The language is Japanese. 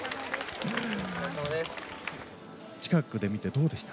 近くで見てどうでした？